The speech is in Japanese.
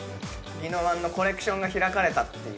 ぎのわんのコレクションが開かれたっていう。